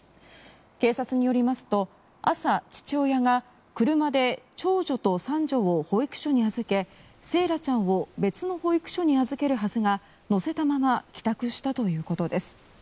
警察によりますと朝、父親が車で長女と三女を保育所に預け惺愛ちゃんを別の保育所に預けるはずが乗せたまま帰宅したということです。